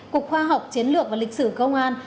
cục khoa học chiến lược và lịch sử công an